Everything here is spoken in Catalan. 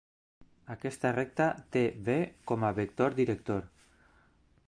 Aquesta recta té v com a vector director.